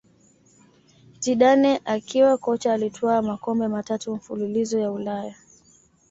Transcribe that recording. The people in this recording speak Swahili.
Zidane akiwa kocha alitwaa makombe matatu mfululizo ya Ulaya